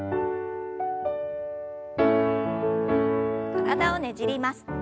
体をねじります。